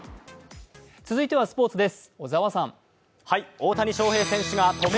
続いてはスポーツです。